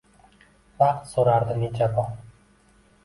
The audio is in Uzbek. Vaqt so’rardi necha bor.